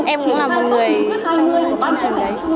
em cũng là một người trong trường đấy